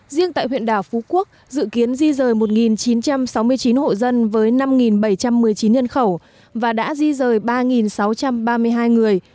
riêng tại huyện đảo phú quốc dự kiến di rời một chín trăm sáu mươi chín hộ dân với năm bảy trăm một mươi chín nhân khẩu và đã di rời ba sáu trăm ba mươi hai người